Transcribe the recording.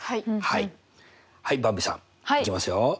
はいばんびさんいきますよ！